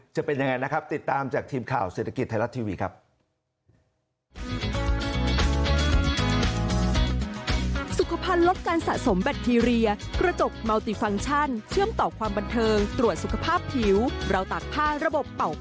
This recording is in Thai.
จะเป็นยังไงนะครับติดตามจากทีมข่าวเศรษฐกิจไทยรัฐทีวีครับ